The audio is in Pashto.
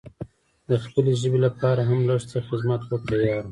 د خپلې ژبې لپاره هم لږ څه خدمت وکړه یاره!